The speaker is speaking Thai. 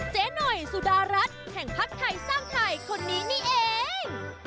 เจ๊หน่อยสุดารัฐแห่งพักไทยสร้างไทยคนนี้นี่เอง